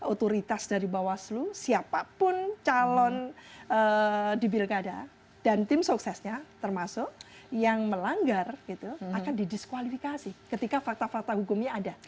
otoritas dari bawaslu siapapun calon di bilkada dan tim suksesnya termasuk yang melanggar akan didiskualifikasi ketika fakta fakta hukumnya ada